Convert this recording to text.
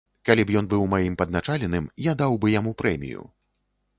Калі б ён быў маім падначаленым, я даў бы яму прэмію.